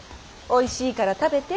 おいしいから食べて。